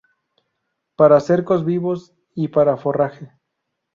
Para cercos vivos y para forraje.